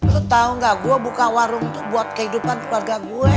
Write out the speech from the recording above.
lo tau gak gue buka warung itu buat kehidupan keluarga gue